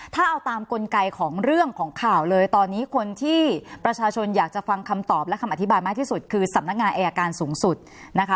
ถ้าเอาตามกลไกของเรื่องของข่าวเลยตอนนี้คนที่ประชาชนอยากจะฟังคำตอบและคำอธิบายมากที่สุดคือสำนักงานอายการสูงสุดนะคะ